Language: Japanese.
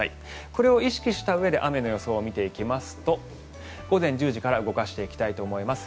これを意識したうえで雨の予想を見ていきますと午前１０時から動かしていきたいと思います。